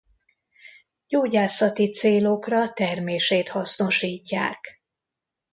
Gyógyászati célokra termését hasznosítják.